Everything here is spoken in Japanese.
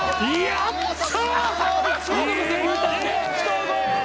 やった！